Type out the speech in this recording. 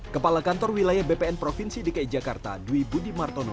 kepala kantor wilayah bpn provinsi dki jakarta dwi budi martono